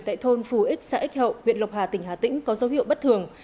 tại thôn phù ích xã x hậu huyện lộc hà tỉnh hà tĩnh có dấu hiệu bất thường